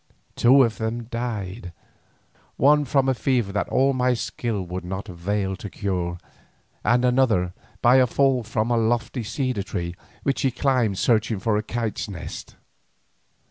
Two of them died—one from a fever that all my skill would not avail to cure, and another by a fall from a lofty cedar tree, which he climbed searching for a kite's nest.